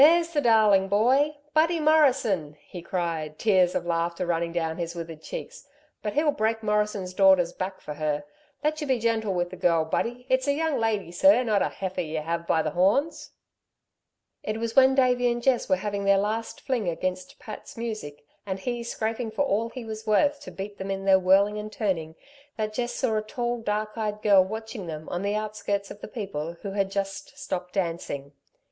"There's the darlin' boy. Buddy Morrison," he cried, tears of laughter running down his withered cheeks. "But he'll break Morrison's daughter's back for her! Let you be gentle with the girl, Buddy. It's a young lady, sir, not a heifer ye have by the horns " It was when Davey and Jess were having their last fling against Pat's music, and he scraping for all he was worth to beat them in their whirling and turning, that Jess saw a tall, dark eyed girl watching them on the outskirts of the people who had just stopped dancing.